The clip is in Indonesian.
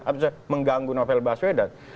apa maksudnya mengganggu novel baswedan